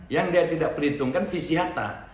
yang dia tidak perhitungkan visi hatta